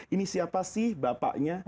ini siapa sih bapaknya